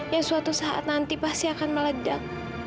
yang suatu saat nanti pasti akan meledak